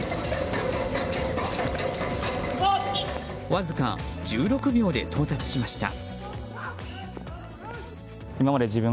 わずか１６秒で到達しました。